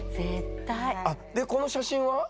あっでこの写真は？